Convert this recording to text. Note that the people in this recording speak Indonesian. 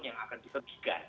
yang akan diperdikan